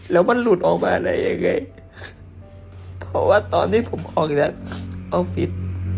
แล้วมันหลุดออกมาได้ยังไงเพราะว่าตอนที่ผมออกแล้วออฟฟิศ